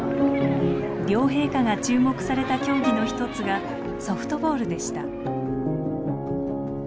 両陛下が注目された競技の一つがソフトボールでした。